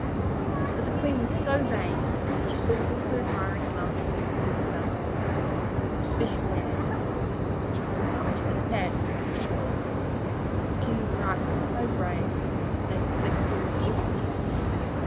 But the Queen was so vain that she thought all their admiring glances were for herself, especially as, in spite of the badness of their cause, the King's knights were so brave that they were the victors in every combat.